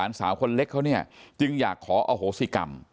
สาวคนเล็กเขาเนี่ยจึงอยากขออโหสิกรรม